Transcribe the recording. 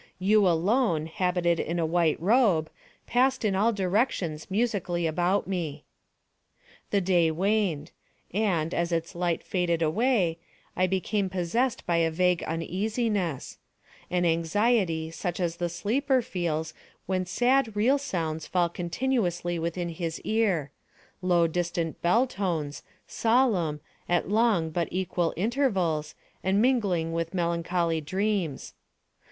You alone, habited in a white robe, passed in all directions musically about me. The day waned; and, as its light faded away, I became possessed by a vague uneasiness—an anxiety such as the sleeper feels when sad real sounds fall continuously within his ear—low distant bell tones, solemn, at long but equal intervals, and mingling with melancholy dreams.